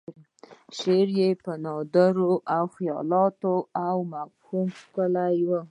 شعر یې په نادرو خیالاتو او مفاهیمو ښکلی و.